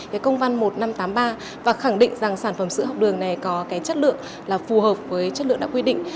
cái công văn một nghìn năm trăm tám mươi ba và khẳng định rằng sản phẩm sữa học đường này có cái chất lượng là phù hợp với chất lượng đã quy định